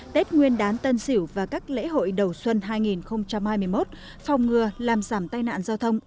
tết nguyên đán tân sỉu và các lễ hội đầu xuân hai nghìn hai mươi một phòng ngừa làm giảm tai nạn giao thông